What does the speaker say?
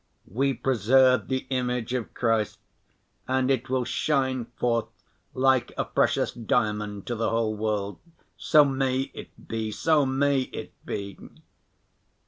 We preserve the image of Christ, and it will shine forth like a precious diamond to the whole world. So may it be, so may it be!